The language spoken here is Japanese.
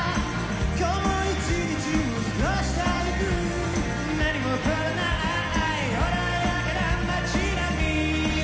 「今日も一日を過ごしてゆく」「何も変わらない穏やかな街並」